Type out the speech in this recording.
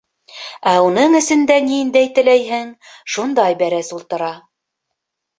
Ә уның эсендә ниндәй теләйһең, шундай бәрәс ултыра.